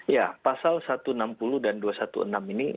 ya pasal satu ratus enam puluh dan dua ratus enam belas ini